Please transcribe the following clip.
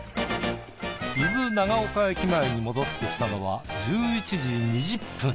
伊豆長岡駅前に戻ってきたのは１１時２０分。